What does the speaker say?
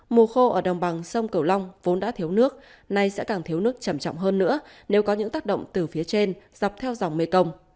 mù khô ở đồng bằng sông cầu long vốn đã thiếu nước nay sẽ càng thiếu nước chẩm chọng hơn nữa nếu có những tác động từ phía trên dọc theo dòng mê công